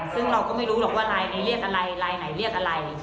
ซึ่งเราก็ไม่รู้หรอกว่าลายนี้เรียกอะไรลายไหนเรียกอะไร